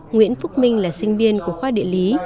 nguyễn phúc minh là sinh viên của khoa địa lý